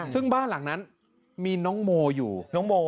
ซึ่งบ้านหลังนั้นมีน้องโมอยู่น้องโม